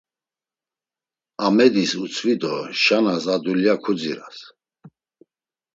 Amedis utzvi do Şanas a dulya kudziras.